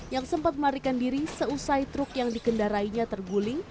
yang sempat melarikan diri seusai truk yang dikendarainya terguling